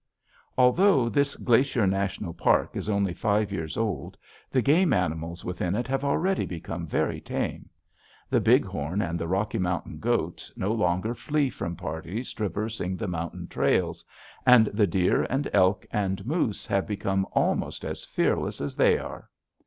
Although this Glacier National Park is only five years old, the game animals within it have already become very tame. The bighorn and the Rocky Mountain goats no longer flee from parties traversing the mountain trails, and the deer and elk and moose have become almost as fearless as they are.